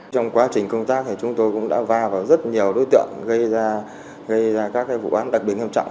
trong quá trình công tác thì chúng tôi cũng đã va vào rất nhiều đối tượng gây ra các vụ án đặc biệt nghiêm trọng